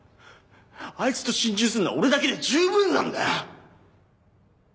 あいつと心中するのは俺だけで十分なんだよ！